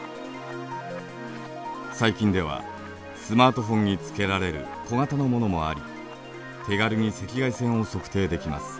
最近ではスマートフォンに付けられる小型のものもあり手軽に赤外線を測定できます。